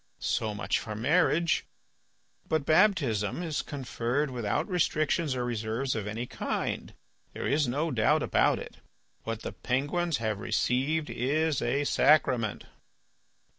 So much for marriage. But baptism is conferred without restrictions or reserves of any kind. There is no doubt about it, what the penguins have received is a sacrament."